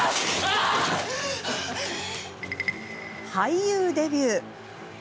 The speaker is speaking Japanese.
俳優デビュー。